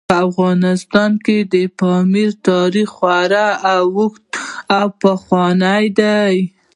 په افغانستان کې د پامیر تاریخ خورا اوږد او پخوانی دی.